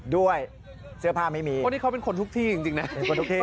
ด้วยเซื้อผ้าไม่มีเพราะที่เขาเป็นคนทุกที่